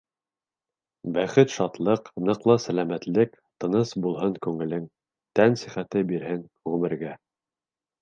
Бәхет-шатлыҡ, ныҡлы сәләмәтлек Тыныс булһын күңелең, Тән сихәте бирһен ғүмергә.